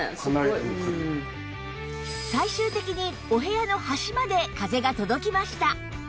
最終的にお部屋の端まで風が届きました